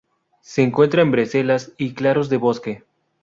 Se encuentra en brezales y claros de bosque.